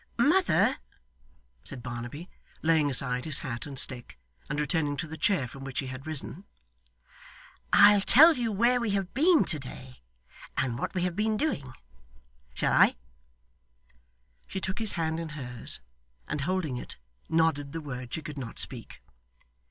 'Mother!' said Barnaby, laying aside his hat and stick, and returning to the chair from which he had risen, 'I'll tell you where we have been to day, and what we have been doing, shall I?' She took his hand in hers, and holding it, nodded the word she could not speak.